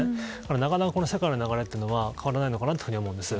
なかなか世界の流れというのは変わらないのかなと思うんです。